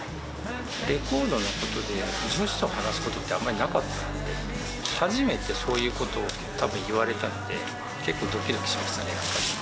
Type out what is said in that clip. レコードのことで、女子と話すことってあまりなかったので、初めてそういうことをたぶん言われたので、結構どきどきしましたね。